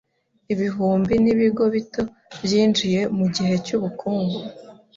Ibihumbi n’ibigo bito byinjiye mu gihe cy’ubukungu.